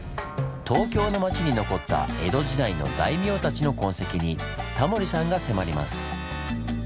東京の町に残った江戸時代の大名たちの痕跡にタモリさんが迫ります。